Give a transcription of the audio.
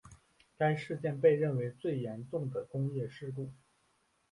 该事件被认为最严重的工业事故。